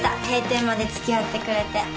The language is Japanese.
閉店まで付き合ってくれて。